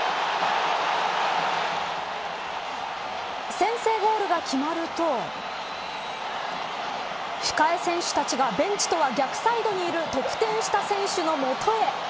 先制ゴールが決まると控え選手たちがベンチとは逆サイドにいる得点した選手の元へ。